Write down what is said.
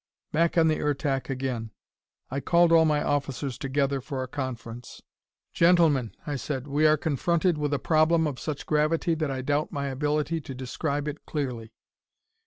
Back on the Ertak again. I called all my officers together for a conference. "Gentlemen," I said, "we are confronted with a problem of such gravity that I doubt my ability to describe it clearly.